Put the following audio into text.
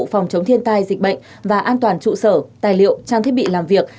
phòng chống thiên tai dịch bệnh và an toàn trụ sở tài liệu trang thiết bị làm việc